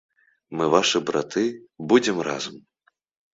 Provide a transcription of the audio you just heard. Мы вашы браты, будзем разам.